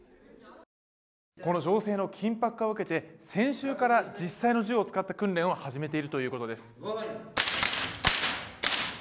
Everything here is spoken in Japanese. この情勢の緊迫化を受けて先週から実際の銃を使った訓練を始めているということです。